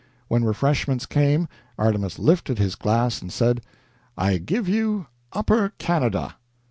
When refreshments came, Artemus lifted his glass, and said: "I give you Upper Canada."